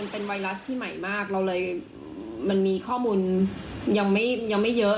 เป็นไวรัสที่ใหม่มากเราเลยมันมีข้อมูลยังไม่เยอะ